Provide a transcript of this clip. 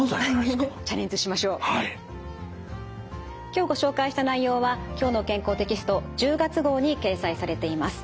今日ご紹介した内容は「きょうの健康」テキスト１０月号に掲載されています。